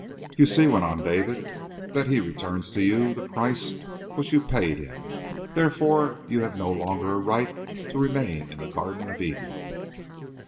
"You see," went on David, "that he returns to you the price which you paid him. Therefore you have no longer a right to remain in the Garden of Eden."